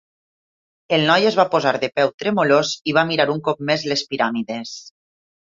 El noi es va posar de peu tremolós i va mirar un cop més les piràmides.